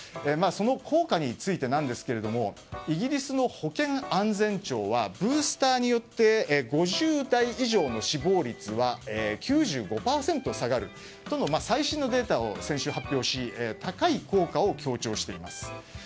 その効果についてなんですがイギリスの保健安全庁はブースターによって５０代以上の死亡率は９５％下がるとの最新のデータを先週発表し高い効果を強調しています。